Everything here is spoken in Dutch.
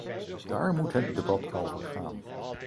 Daar moet het debat over gaan.